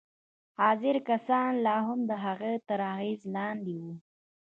حاضر کسان لا هم د هغه تر اغېز لاندې وو